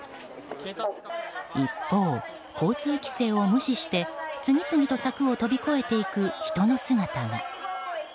一方、交通規制を無視して次々と柵を飛び越えていく人の姿が。